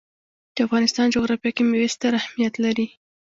د افغانستان جغرافیه کې مېوې ستر اهمیت لري.